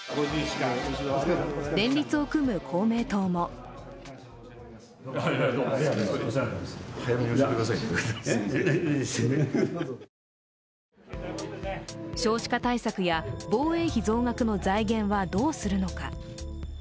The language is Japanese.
連立を組む公明党も少子化対策や防衛費増額の財源はどうするのか。